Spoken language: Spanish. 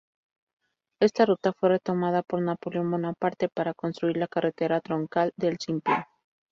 Esta ruta fue retomada por Napoleón Bonaparte para construir la carretera troncal de Simplon.